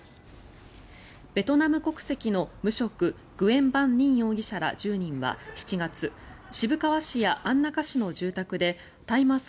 ベトナム国籍の無職グエン・バン・ニン容疑者ら１０人は７月、渋川市や安中市の住宅で大麻草